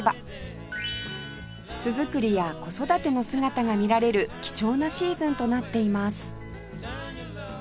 巣作りや子育ての姿が見られる貴重なシーズンとなっています